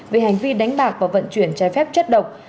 về hành vi đánh bạc và vận chuyển trái phép chất độc